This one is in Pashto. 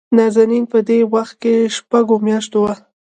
نازنين په دې وخت کې دشپږو مياشتو وه.